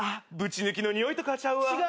ぶち抜きのにおいとかちゃうわ。